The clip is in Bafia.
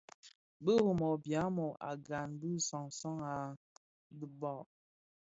Bi Rimoh (Biamo) et Gahn bi sansan a dimbag.